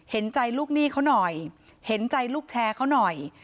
เห็นใจลูกหนี้เขาหน่อยเห็นใจลูกแชร์เขาหน่อย